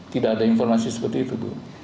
tidak ada informasi seperti itu bu